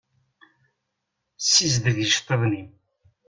Sizdeg iceṭṭiḍen-im.